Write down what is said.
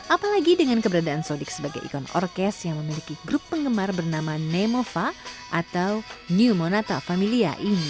apalagi dengan keberadaan sodik sebagai ikon orkes yang memiliki grup penggemar bernama nemova atau new monata familia ini